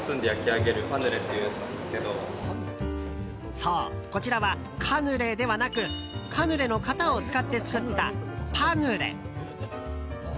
そう、こちらはカヌレではなくカヌレの型を使って作ったパヌレ。